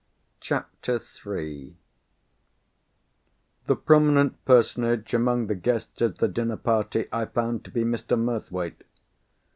CHAPTER III The prominent personage among the guests at the dinner party I found to be Mr. Murthwaite.